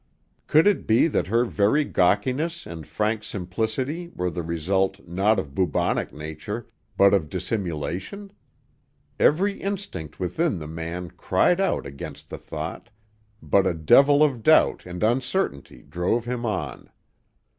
Could it be that her very gawkiness and frank simplicity were the result not of bucolic nature, but of dissimulation? Every instinct within the man cried out against the thought, but a devil of doubt and uncertainty drove him on.